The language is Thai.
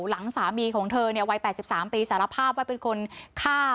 หลังสามีของเธอวัย๘๓ปีสารภาพว่าเป็นคนฆ่า